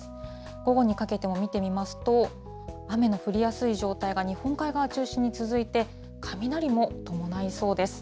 午後にかけても見てみますと、雨の降りやすい状態が日本海側中心に続いて、雷も伴いそうです。